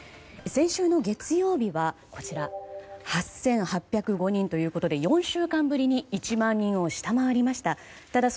先週の月曜日は８８０５人ということで４週間ぶりに１万人を下回りました。